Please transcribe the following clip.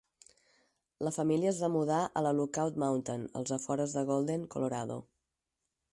La família es va mudar a la Lookout Mountain als afores de Golden, Colorado.